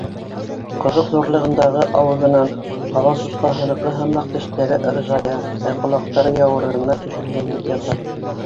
Ҡоҙоҡ ҙурлығындағы ауыҙынан ҡабан сусҡаһыныҡы һымаҡ тештәре ыржая, ә ҡолаҡтары яурынына төшөп һәленеп ята.